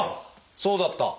そうだった。